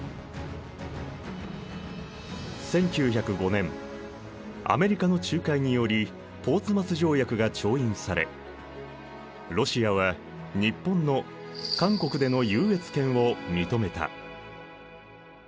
１９０５年アメリカの仲介によりポーツマス条約が調印されロシアは日本の韓国での優越権を認めた。